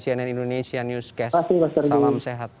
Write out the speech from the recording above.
cnn indonesia newscast salam sehat